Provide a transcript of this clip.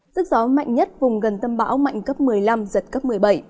sức gió mạnh nhất vùng gần tâm bão mạnh cấp một mươi năm giật cấp một mươi bảy